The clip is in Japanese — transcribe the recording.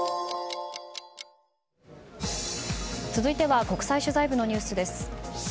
続いては国際取材部のニュースです。